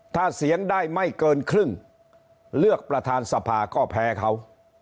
ถ้าเสียงได้ไม่เกินครึ่งเลือกประธานสภาก็แพ้เขา